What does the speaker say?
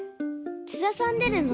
津田さんでるの？